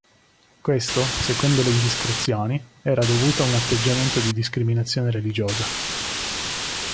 Questo, secondo le indiscrezioni, era dovuto a un atteggiamento di discriminazione religiosa.